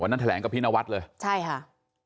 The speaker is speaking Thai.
วันนั้นแถลงกับพินาวัฒน์เลยใช่ค่ะ